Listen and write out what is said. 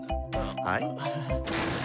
はい。